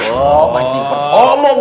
oh mancing pertanyaan